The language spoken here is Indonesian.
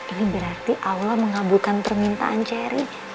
ini berarti allah mengabulkan permintaan cherry